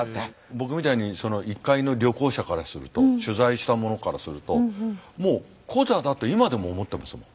僕みたいに一介の旅行者からすると取材した者からするともうコザだと今でも思ってますもん。